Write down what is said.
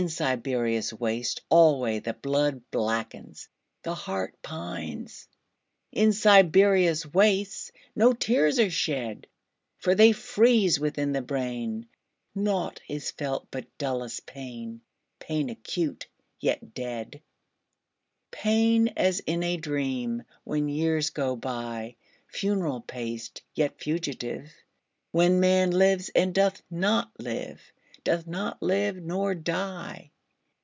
In Siberia's wastes alwayThe blood blackens, the heart pines.In Siberia's wastesNo tears are shed, For they freeze within the brain. Naught is felt but dullest pain, Pain acute, yet dead; Pain as in a dream, When years go byFuneral paced, yet fugitive, When man lives, and doth not live, Doth not live—nor die.